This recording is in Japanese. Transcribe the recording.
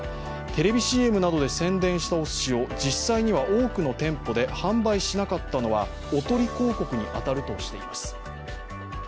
テレビＣＭなどで宣伝したおすしを実際には多くの店舗で販売しなかったのはおとり広告に当たるとしています。